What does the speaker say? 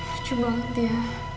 lucu banget ya